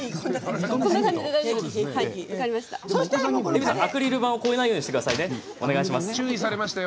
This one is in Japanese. レミさん、アクリル板をこえないようにしてくださいね。